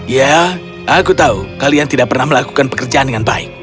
ya aku tahu kalian tidak pernah melakukan pekerjaan dengan baik